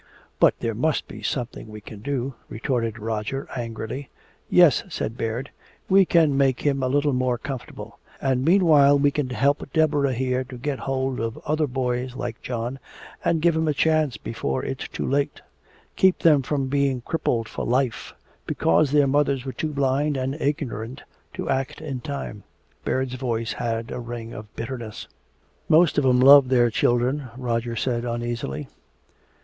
"But there must be something we can do!" retorted Roger angrily. "Yes," said Baird, "we can make him a little more comfortable. And meanwhile we can help Deborah here to get hold of other boys like John and give 'em a chance before it's too late keep them from being crippled for life because their mothers were too blind and ignorant to act in time." Baird's voice had a ring of bitterness. "Most of 'em love their children," Roger said uneasily.